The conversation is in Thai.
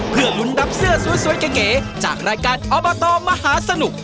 เพื่อลุ้นรับเสื้อสวยเก๋จากรายการอบตมหาสนุก